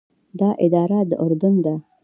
دا اداره د اردن ده.